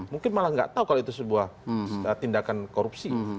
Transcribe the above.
mungkin malah nggak tahu kalau itu sebuah tindakan korupsi